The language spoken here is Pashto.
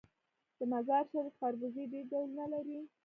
د مزار شریف خربوزې ډیر ډولونه لري.